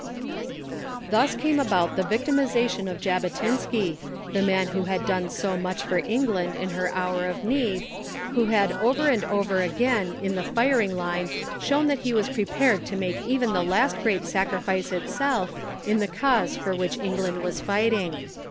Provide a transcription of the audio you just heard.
Thus came about the victimization of Jabotinsky, the man who had done so much for England in her hour of need; who had over and over again in the firing line shown that he was prepared to make even the last great sacrifice itself in the cause for which England was fighting.